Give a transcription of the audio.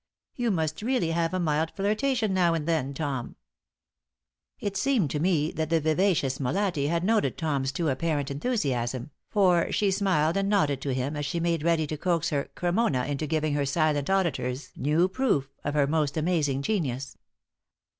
You must really have a mild flirtation now and then, Tom." It seemed to me that the vivacious Molatti had noted Tom's too apparent enthusiasm, for she smiled and nodded to him as she made ready to coax her Cremona into giving her silent auditors new proof of her most amazing genius.